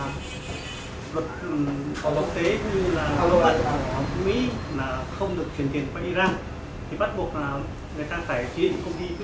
luật bảo quốc tế như là lô ẩn của mỹ là không được chuyển tiền qua iran thì bắt buộc là người ta phải chỉ định công ty thứ ba